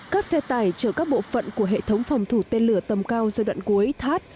các xe tải chở các bộ phận của hệ thống phòng thủ tên lửa tầm cao giai đoạn cuối thắt